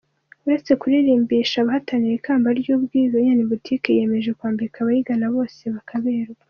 Uretse kurimbisha abahatanira ikamba ry'ubwiza, Ian Boutique yiyemeje kwambika abayigana bose bakaberwa.